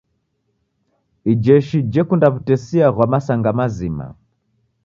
Ijeshi jekunda w'utesia ghwa masanga mazima.